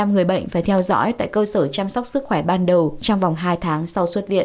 một mươi người bệnh phải theo dõi tại cơ sở chăm sóc sức khỏe ban đầu trong vòng hai tháng sau xuất viện